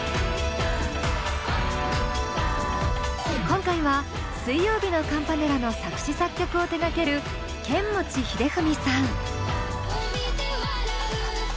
今回は水曜日のカンパネラの作詞・作曲を手がけるケンモチヒデフミさん。